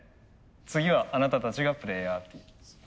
次はあなたたちがプレーヤーってことで。